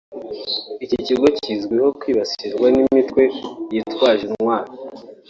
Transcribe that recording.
Iki gihugu kizwiho kwibasirwa n’imitwe yitwaje intwaro